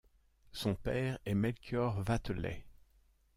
Son père est Melchior Wathelet.